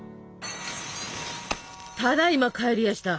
ただいま帰りやした。